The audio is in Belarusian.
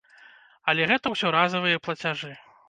Але гэта ўсё разавыя плацяжы.